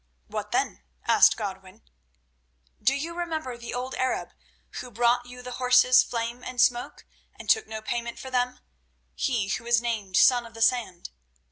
"What then?" asked Godwin. "Do you remember the old Arab who brought you the horses Flame and Smoke, and took no payment for them, he who was named Son of the Sand?